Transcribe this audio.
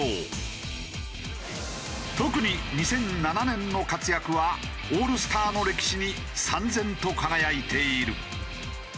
特に２００７年の活躍はオールスターの歴史に燦然と輝いている。